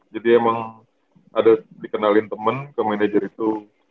jadi emang ada dikenalin temen ke manajer itu